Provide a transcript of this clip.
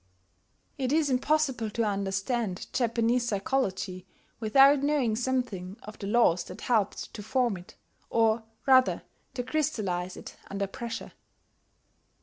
It is impossible to understand Japanese psychology without knowing something of the laws that helped to form it, or, rather, to crystallize it under pressure.